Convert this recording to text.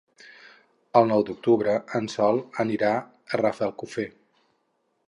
El nou d'octubre en Sol anirà a Rafelcofer.